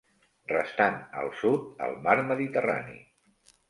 Restant al sud el mar mediterrani.